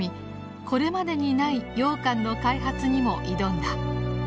これまでにないようかんの開発にも挑んだ。